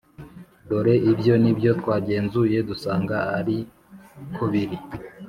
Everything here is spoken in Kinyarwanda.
Dore ibyo ni byo twagenzuye dusanga ari kobiri,